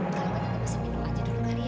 kalau gak ada pesan minum aja dulu kali ya